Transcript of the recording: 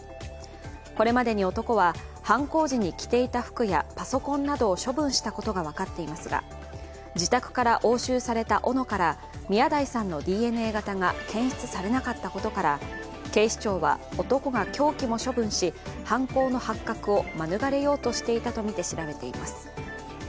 これまでに男は犯行時に着ていた服やパソコンなどを処分したことが分かっていますが、自宅から押収されたおのから宮台さんのＤＮＡ型が検出されなかったことから警視庁は男が凶器も処分し犯行の発覚を免れようとしていたとみて調べています。